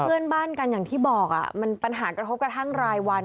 เพื่อนบ้านกันอย่างที่บอกมันปัญหากระทบกระทั่งรายวัน